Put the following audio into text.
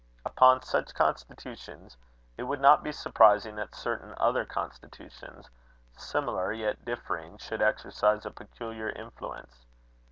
Upon such constitutions, it would not be surprising that certain other constitutions, similar, yet differing, should exercise a peculiar influence.